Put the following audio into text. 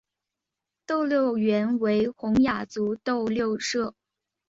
斗六原为洪雅族斗六社。